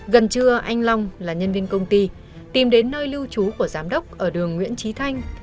gần trưa anh long là nhân viên công ty tìm đến nơi lưu trú của giám đốc ở đường nguyễn trí thanh